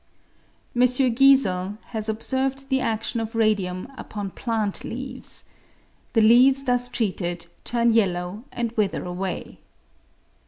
M. Giesel has observed the adion of radium upon plant leaves. The leaves thus treated turn yellow and wither away.